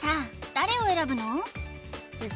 誰を選ぶの？